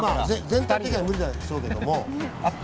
全体的には無理でしょうけども。